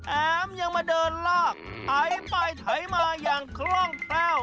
แอ้มอย่างมาเดินลากไถไปไถมาอย่างคล้องแพ้ว